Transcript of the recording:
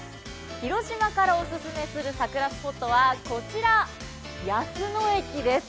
広島からお勧めする桜スポットはこちら、安野駅です。